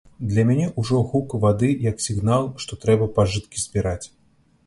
Для мяне ўжо гук вады як сігнал, што трэба пажыткі збіраць.